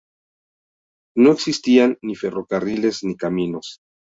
No existían ni ferrocarriles ni caminos.